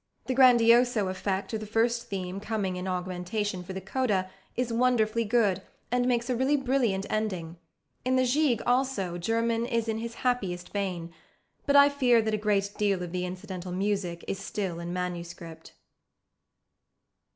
The grandioso effect of the first theme coming in augmentation for the coda is wonderfully good, and makes a really brilliant ending. In the Gigue, also, German is in his happiest vein; but I fear that a great deal of the incidental music is still in manuscript.